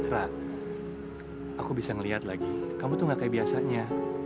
rah aku bisa ngeliat lagi kamu tuh gak kayak biasanya